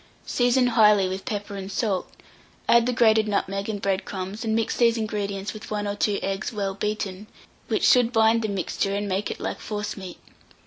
Season highly with pepper and salt, add the grated nutmeg and bread crumbs, and mix these ingredients with 1 or 2 eggs well beaten, which should bind the mixture and make it like forcemeat.